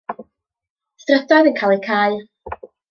Strydoedd yn cael eu cau.